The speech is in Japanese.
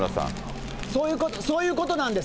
そういうことなんです。